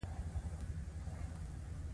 احمد او علي له یوې خټې څخه دي.